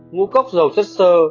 ngũ cốc dầu chất sơ